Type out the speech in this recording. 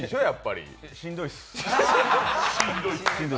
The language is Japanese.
しんどいです。